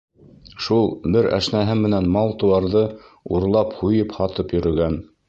Шул бер әшнәһе менән мал-тыуарҙы урлап һуйып, һатып йөрөгән.